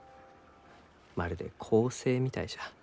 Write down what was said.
まるで恒星みたいじゃ。